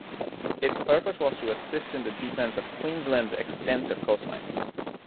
Its purpose was to assist in the defence of Queensland's extensive coastline.